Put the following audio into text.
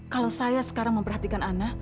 kalau saya sekarang memperhatikan anak